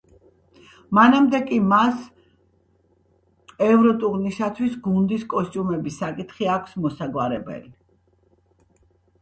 მანამდე კი მას ევროტურისთვის გუნდის კოსტუმების საკითხი აქვს მოსაგვარებელი.